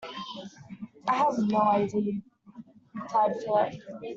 I have no idea, replied Philip.